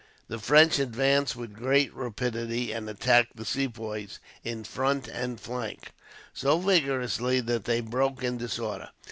The French advanced with great rapidity, and attacked the Sepoys in front and flank, so vigorously that they broke in disorder.